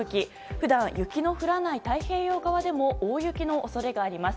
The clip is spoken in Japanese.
普段、雪の降らない太平洋側でも大雪の恐れがあります。